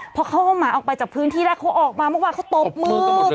พอเขาเอาหมาออกไปจากพื้นที่แรกเขาออกมาเมื่อวานเขาตบมือกันหมดเลย